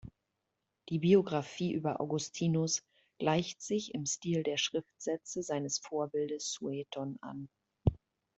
Die Biographie über Augustinus gleicht sich im Stil der Schriftsätze seines Vorbildes Sueton an.